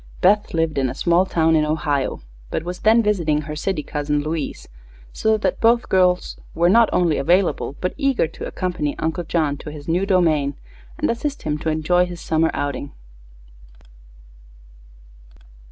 Beth lived in a small town in Ohio, but was then visiting her city cousin Louise, so that both girls were not only available but eager to accompany Uncle John to his new domain and assist him to enjoy his summer outing.